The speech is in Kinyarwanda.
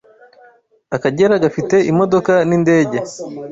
akagera gafite imodoka n’ indege